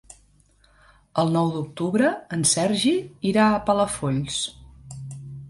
El nou d'octubre en Sergi irà a Palafolls.